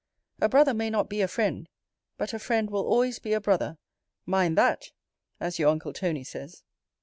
A brother may not be a friend: but a friend will always be a brother mind that, as your uncle Tony says!